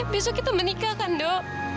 besok kita menikah kan dok